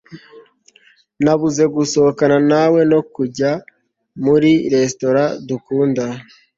nabuze gusohokana nawe no kurya muri resitora dukunda